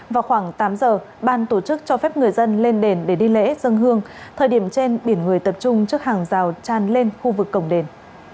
vào khoảng tám giờ ban tổ chức cho phép người dân lên đền để đi lễ dân hương thời điểm trên biển người tập trung trước hàng rào tràn lên khu vực cổng đền